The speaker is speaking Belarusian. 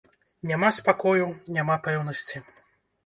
Няма спакою, няма пэўнасці.